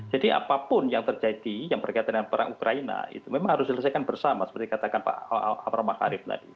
jadi apapun yang terjadi yang berkaitan dengan perang ukraina itu memang harus diselesaikan bersama seperti katakan pak avramaharif tadi